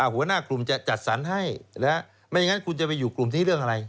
หัวหน้ากลุ่มจะจัดสรรให้ไม่อย่างนั้นคุณจะไปอยู่กลุ่มที่เรื่องอะไร